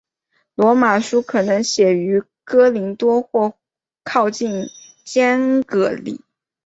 罗马书可能写于哥林多或靠近坚革哩。